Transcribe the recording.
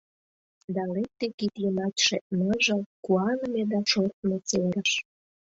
Да лекте кид йымачше Ныжыл, Куаныме Да шортмо серыш.